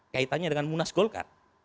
kaitannya dengan munas golkar